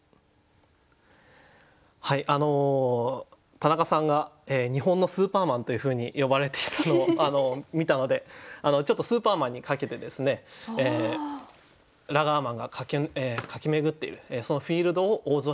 田中さんが日本のスーパーマンというふうに呼ばれていたのを見たのでちょっとスーパーマンにかけてですねラガーマンが駆け巡っているそのフィールドを大空に例えてみました。